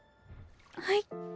はい？